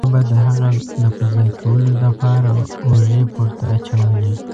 ما به د هغه د په ځای کولو له پاره اوږې پورته اچولې.